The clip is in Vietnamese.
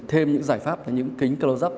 thêm những giải pháp là những kính close up